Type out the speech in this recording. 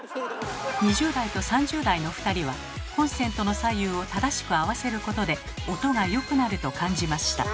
２０代と３０代の２人はコンセントの左右を正しく合わせることで音がよくなると感じました。